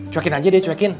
cuekin aja deh cuekin